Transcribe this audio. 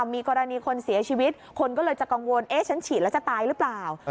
มีกรณีคนเสียชีวิตคนก็เลยจะกังวลเอ๊ะฉันฉีดแล้วจะตายหรือเปล่า